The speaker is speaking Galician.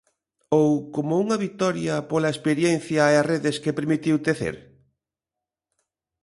Ou como unha vitoria, pola experiencia e as redes que permitiu tecer?